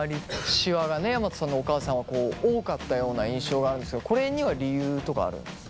シワがね山戸さんのお母さんは多かったような印象があるんですけどこれには理由とかあるんですか？